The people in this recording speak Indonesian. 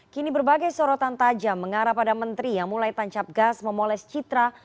kini berbagai sorotan tajam mengarah pada menteri yang mulai tancap gas memoles citra